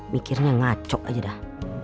mikirnya ngaco aja dah